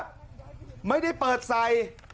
มึงไม่ได้เปิดไฟ